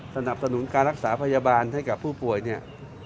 สนับสนุนการรักษาพยาบาลให้กับผู้ป่วยเนี่ย